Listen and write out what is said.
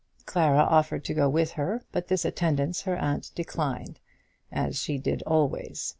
Clara offered to go with her, but this attendance her aunt declined, as she did always.